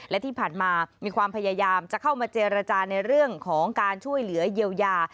และที่ผ่านมามีความพยายามจะเข้ามาเจรจาในเรื่องของการช่วยเหลือเยียวยา